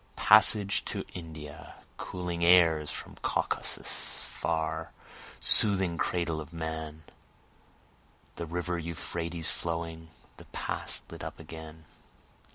Passage to India! Cooling airs from Caucasus far, soothing cradle of man, The river Euphrates flowing, the past lit up again.